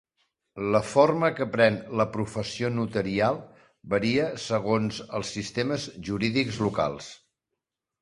La forma que pren la professió notarial varia segons els sistemes jurídics locals.